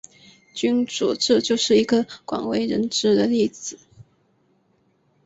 君主制就是一个广为人知的例子。